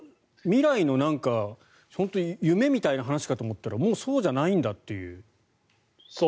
未来の夢みたいな話かと思ったらもうそうじゃないんだっていう。